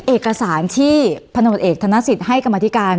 เอกสารที่ผลธรรมเอกสมยศให้กรรมธิการ